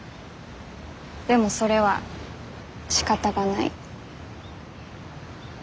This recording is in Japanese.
でもそれはしかたがない。